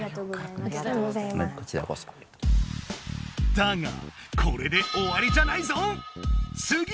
だがこれで終わりじゃないぞ！